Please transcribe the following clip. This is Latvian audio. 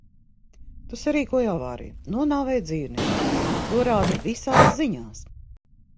Tu sarīkoji avāriju, nonāvēji dzīvnieku. To rāda visās ziņās.